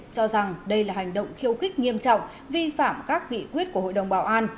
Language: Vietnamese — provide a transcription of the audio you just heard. cho rằng đây là hành động khiêu khích nghiêm trọng vi phạm các nghị quyết của hội đồng bảo an